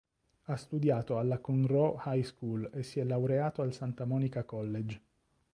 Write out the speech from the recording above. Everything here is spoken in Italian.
Ha studiato alla Conroe High School e si è laureato al Santa Monica College.